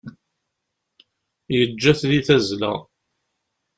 Yeǧǧa-t di tazzla.